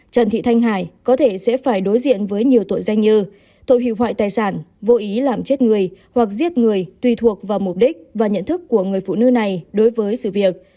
trần thị thanh hải có thể sẽ phải đối diện với nhiều tội danh như tội hủy hoại tài sản vô ý làm chết người hoặc giết người tùy thuộc vào mục đích và nhận thức của người phụ nữ này đối với sự việc